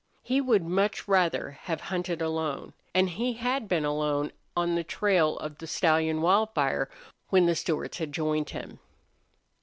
He would much rather have hunted alone, and he had been alone on the trail of the stallion Wildfire when the Stewarts had joined him.